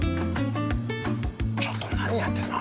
ちょっと何やってんの？